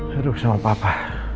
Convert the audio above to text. duduk sama papa